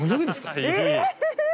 えっ！